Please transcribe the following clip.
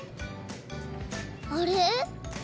あれ？